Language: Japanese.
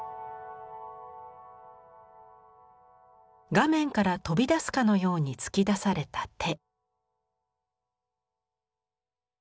画面から飛び出すかのように突き出された手。